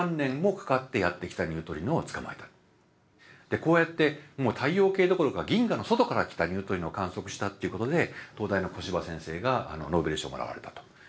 こうやってもう太陽系どころか銀河の外から来たニュートリノを観測したっていうことで東大の小柴先生がノーベル賞をもらわれたと。